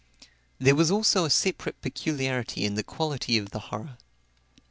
There was also a separate peculiarity in the quality of the horror.